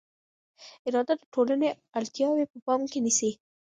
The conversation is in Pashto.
اداره د ټولنې اړتیاوې په پام کې نیسي.